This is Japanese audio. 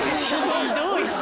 ひどい。